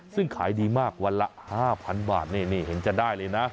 ซึ่งขายดีมากวันละ๕๐๐๐บาทนี่เห็นจะได้เลยนะ